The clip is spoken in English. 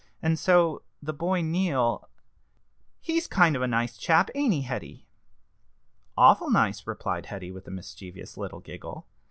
And so the boy Neal he's kind of a nice chap, ain't he, Hetty?" "Awful nice," replied Hetty, with a mischievous little giggle.